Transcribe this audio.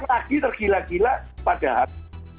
tiap lagi tergila gila pada hati